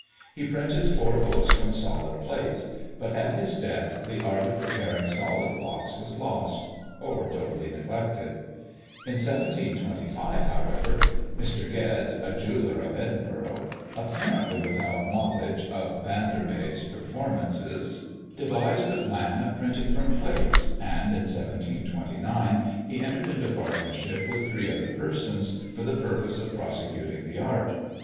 He printed four books from solid plates; but at his death the art of preparing solid blocks was lost, or wholly neglected. In 1725, however, Mr. Ged, a jeweller of Edinburgh, apparently without knowledge of Van der Mey's performances, devised the plan of printing from plates; and in 1729 he entered into partnership with three other persons, for the purpose of prosecuting the art.